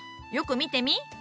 よく見てみい。